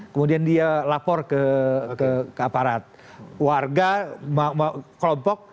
kemudian dia lapor ke aparat warga kelompok